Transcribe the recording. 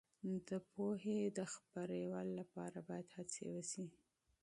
د پوهې د ترویج لپاره باید هڅې وسي.